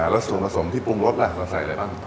แล้วส่วนผสมที่ปรุงรสล่ะเราใส่อะไรบ้าง